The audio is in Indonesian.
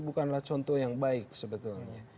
bukanlah contoh yang baik sebetulnya